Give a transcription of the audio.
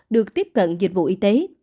được tiếp cận dịch vụ y tế